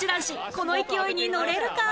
この勢いにのれるか？